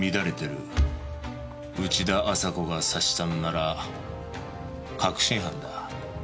内田朝子が刺したんなら確信犯だ。